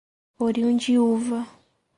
Orindiúva